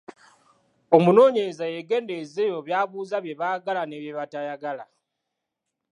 Omunoonyereza yeegendereze ebyo b’abuuza bye baagala ne bye batayagala.